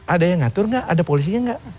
ada yang ngatur gak ada polisinya gak